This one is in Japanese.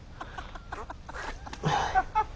ハハハハハ。